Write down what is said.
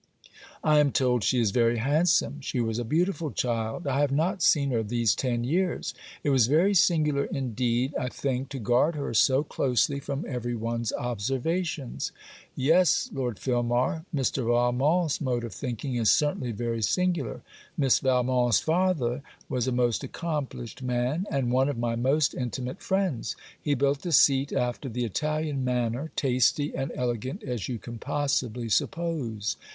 'I am told she is very handsome. She was a beautiful child. I have not seen her these ten years. It was very singular, indeed, I think to guard her so closely from every one's observation. Yes, Lord Filmar, Mr. Valmont's mode of thinking is certainly very singular. Miss Valmont's father was a most accomplished man; and one of my most intimate friends. He built a seat after the Italian manner, tasty and elegant as you can possibly suppose.